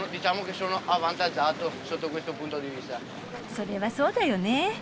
それはそうだよね。